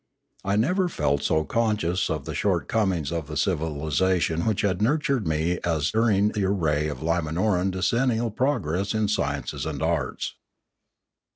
I never felt so conscious of the shortcom ings of the civilisation which had nurtured me as during the array of Limanoran decennial progress in sciences and arts.